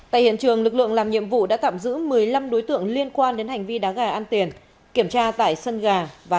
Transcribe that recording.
tại hiện trường lực lượng làm nhiệm vụ đã tạm giữ một mươi năm đối tượng liên quan đến hành vi đá gà ăn tiền kiểm tra tại sân gà